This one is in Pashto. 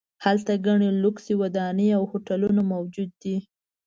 هلته ګڼې لوکسې ودانۍ او هوټلونه موجود دي.